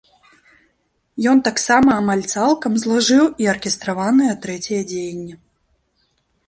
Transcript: Ён таксама амаль цалкам злажыў і аркестраванае трэцяе дзеянне.